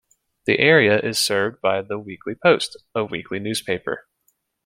The area is served by the "The Weekly Post", a weekly newspaper.